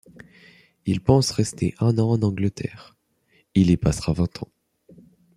Il pense rester un an en Angleterre; il y passera vingt ans.